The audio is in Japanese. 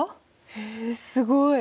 へえすごい！